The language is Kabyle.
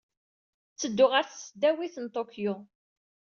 Ttedduɣ ɣer Tesdawit n Tokyo.